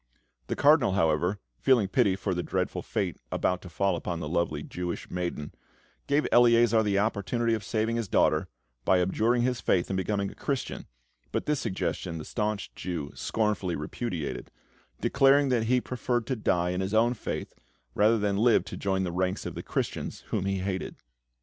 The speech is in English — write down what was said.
The Cardinal, however, feeling pity for the dreadful fate about to fall upon the lovely Jewish maiden, gave Eleazar the opportunity of saving his daughter by abjuring his faith and becoming a Christian, but this suggestion the staunch Jew scornfully repudiated, declaring that he preferred to die in his own faith rather than live to join the ranks of the Christians, whom he hated.